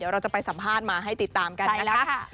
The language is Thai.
เราจะไปสัมภาษณ์มาให้ติดตามกันนะคะ